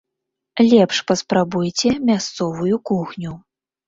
Лепш паспрабуйце мясцовую кухню.